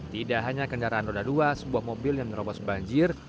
tidak hanya kendaraan roda dua sebuah mobil yang menerobos banjir